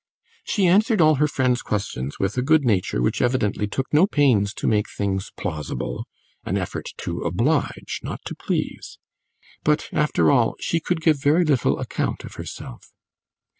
She answered all her friend's questions with a good nature which evidently took no pains to make things plausible, an effort to oblige, not to please; but, after all, she could give very little account of herself.